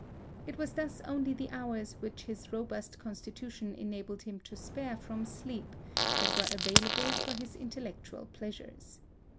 It was thus only the hours which his robust constitution enabled him to spare from sleep that were available for his intellectual pleasures.